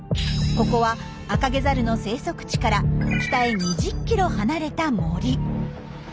ここはアカゲザルの生息地から北へ２０ｋｍ離れた森。